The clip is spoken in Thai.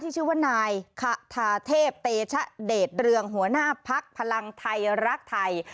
ชื่อว่านายคาทาเทพเตชะเดชเรืองหัวหน้าพักพลังไทยรักไทย